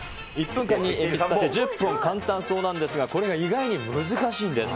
１分間に鉛筆立て１０本、簡単そうなんですが、これが意外に難しいんです。